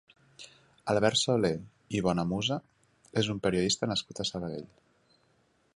Albert Solé i Bonamusa és un periodista nascut a Sabadell.